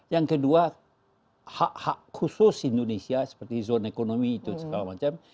yang kedua hak hak khusus indonesia seperti zona ekonomi itu segala macam